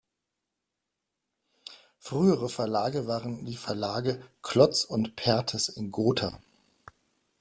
Frühere Verlage waren die Verlage "Klotz" und "Perthes" in Gotha.